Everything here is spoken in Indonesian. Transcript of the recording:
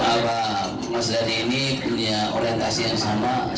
pak abang mas dhani ini punya orientasi yang sama